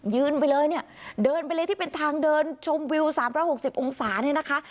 ยืนไปเลยเดินไปเลยที่เป็นทางเดินชมวิว๓๖๐องศา